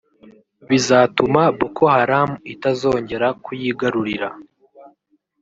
bizatuma Boko Haram itazongera kuyigarurira